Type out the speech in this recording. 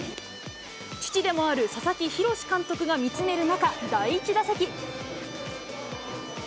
父でもある佐々木洋監督が見つめる中、第１打席。